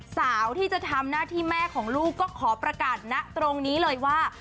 สาวที่จะทำหน้าที่แม่ของลูกก็ขอประกาศนะตรงนี้เลยว่า